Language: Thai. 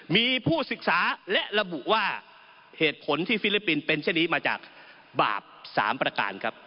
มีผู้ศึกษาและระบุว่าเหตุผลที่ฟิลิปปินส์เป็นเช่นนี้มาจากบาป๓ประการครับ